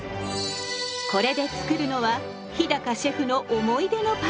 これで作るのは日シェフの思い出のパスタ。